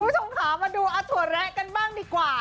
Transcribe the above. คุณผู้ชมขามาดูอทัวร์แระกันบ้างดีกว่า